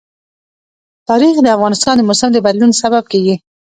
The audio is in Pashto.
تاریخ د افغانستان د موسم د بدلون سبب کېږي.